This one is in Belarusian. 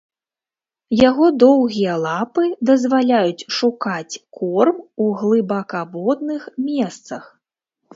Яго доўгія лапы дазваляюць шукаць корм у глыбакаводных месцах.